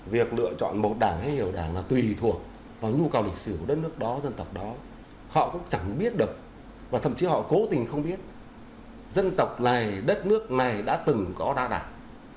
việc lựa chọn một đảng hay hiểu đảng là tùy thuộc vào nhu cầu lịch sử của đất nước đó dân tộc đó họ cũng chẳng biết được và thậm chí họ cố tình không biết dân tộc này đất nước này đã từng có đa đảng